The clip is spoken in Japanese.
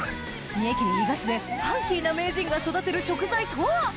三重県伊賀市でファンキーな名人が育てる食材とは？